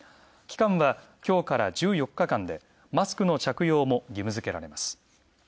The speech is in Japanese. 期間は今日から１４日間でマスクの着用も義務付けられます。